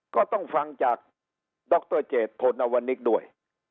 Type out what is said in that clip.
ก็ต้องฟังจากดรเจตโธนวนิกด้วย